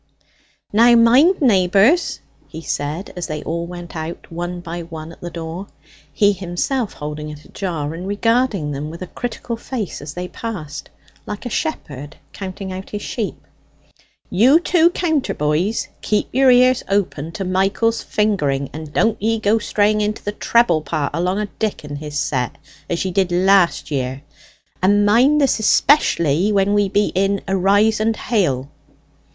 "Now mind, neighbours," he said, as they all went out one by one at the door, he himself holding it ajar and regarding them with a critical face as they passed, like a shepherd counting out his sheep. "You two counter boys, keep your ears open to Michael's fingering, and don't ye go straying into the treble part along o' Dick and his set, as ye did last year; and mind this especially when we be in 'Arise, and hail.'